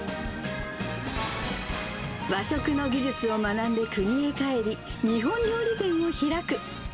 和食の技術を学んで国へ帰り、日本料理店を開く。